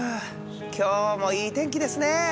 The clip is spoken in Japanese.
今日もいい天気ですねえ